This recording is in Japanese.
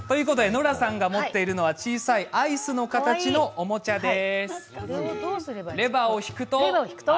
ノラさんが持っているのが小さいアイスの形のおもちゃです。